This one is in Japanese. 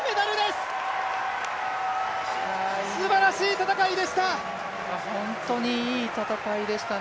すばらしい戦いでした！